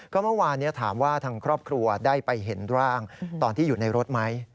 ก็เมื่อวานถามว่าทางครอบครัวได้ไปเห็นร่างตอนที่อยู่ในรถไหม